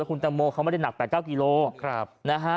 และคุณเตะโมเขาไม่ได้หนัก๘๙กิโลกรัม